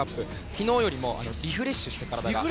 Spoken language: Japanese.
昨日よりもリフレッシュしてました、体が。